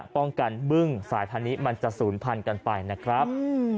ป้องกันบึ้งสายพันธุ์นี้มันจะศูนย์พันกันไปนะครับ